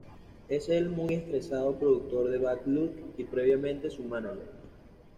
Es el muy estresado productor de Bad Luck y previamente su mánager.